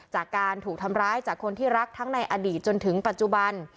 จากการถูกทำร้ายจากคนที่รักทั้งในอดีตจนถึงปัจจุบัน